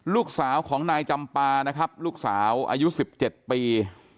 ลูกสาวของนายจำปานะครับลูกสาวอายุ๑๗ปี